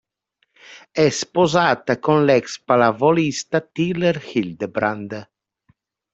È sposata con l'ex pallavolista Tyler Hildebrand.